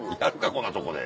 こんなとこで。